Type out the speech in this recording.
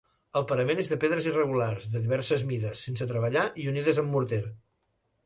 El parament és de pedres irregulars, de diverses mides, sense treballar i unides amb morter.